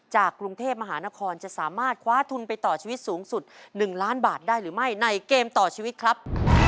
กรุงเทพมหานครจะสามารถคว้าทุนไปต่อชีวิตสูงสุด๑ล้านบาทได้หรือไม่ในเกมต่อชีวิตครับ